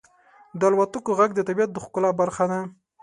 • د الوتونکو ږغ د طبیعت د ښکلا برخه ده.